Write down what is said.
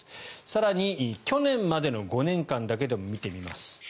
更に去年までの５年間だけでも見てみます。